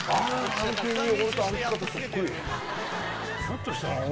ひょっとしたら。